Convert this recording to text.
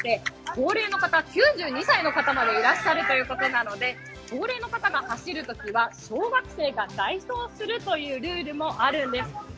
高齢の方、９２歳の方までいらっしゃるということなので高齢の方が走るときは小学生が代走するというルールもあるんです。